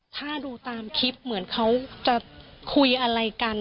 ถ้าดูตามคลิปเหมือนเขาจะคุยอะไรกัน